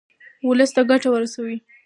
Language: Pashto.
ولس ته ګټه ورسوئ.